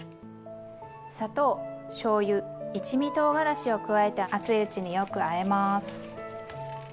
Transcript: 砂糖しょうゆ一味とうがらしを加えて熱いうちによくあえます。